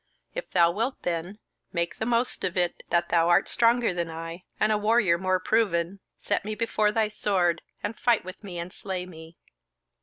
If thou wilt then, make the most of it that thou art stronger than I, and a warrior more proven; set me before thy sword, and fight with me and slay me."